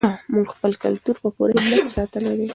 موږ خپل کلتور په پوره همت ساتلی دی.